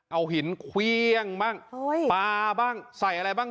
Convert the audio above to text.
เอาหินเครื่องบ้างปลาบ้างใส่อะไรบ้าง